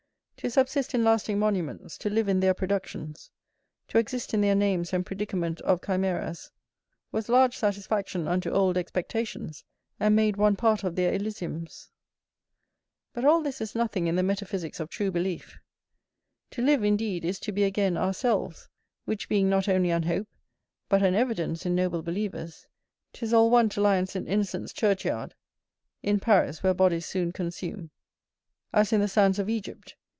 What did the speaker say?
To subsist in lasting monuments, to live in their productions, to exist in their names and predicament of chimeras, was large satisfaction unto old expectations, and made one part of their Elysiums. But all this is nothing in the metaphysicks of true belief. To live indeed, is to be again ourselves, which being not only an hope, but an evidence in noble believers, 'tis all one to lie in St Innocent's[BZ] church yard as in the sands of Egypt.